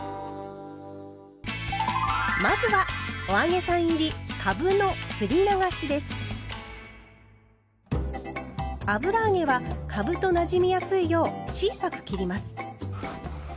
まずは油揚げはかぶとなじみやすいよう小さく切ります。